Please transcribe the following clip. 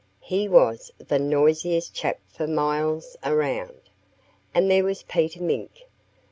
He was the noisiest chap for miles around. And there was Peter Mink.